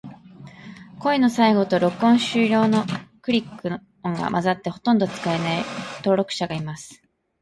声の最後と、録音終了のクリック音が混ざって、ほとんど使えない登録者がいます。